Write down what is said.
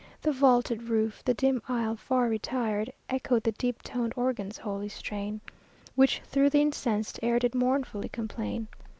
The vaulted roof, the dim aisle far retired, Echoed the deep toned organ's holy strain, Which through the incensed air did mournfully complain.